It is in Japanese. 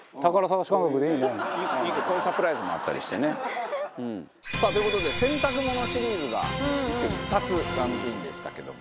こういうサプライズもあったりしてね。という事で洗濯物シリーズが一挙に２つランクインでしたけども。